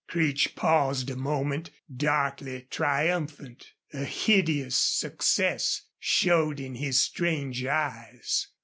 Creech paused a moment, darkly triumphant. A hideous success showed in his strange eyes.